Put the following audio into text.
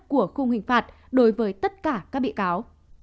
của khung hình phạt đối với tất cả các bị cáo